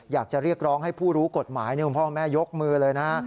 อยากจะเรียกร้องให้ผู้รู้กฎหมายคุณพ่อแม่ยกมือเลยนะ